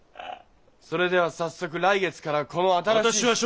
それでは早速来月からこの新しい。